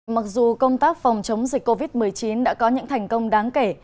mặc dù công tác phòng chống dịch covid một mươi chín đã có những thành công đáng kể